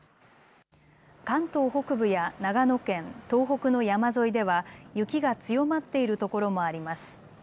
関東北部や長野県、東北の山沿いでは雪が強まっている所もあります。